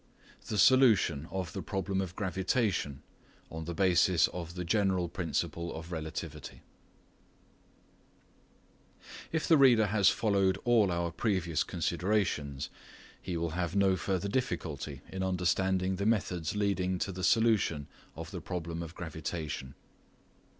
THE SOLUTION OF THE PROBLEM OF GRAVITATION ON THE BASIS OF THE GENERAL PRINCIPLE OF RELATIVITY If the reader has followed all our previous considerations, he will have no further difficulty in understanding the methods leading to the solution of the problem of gravitation.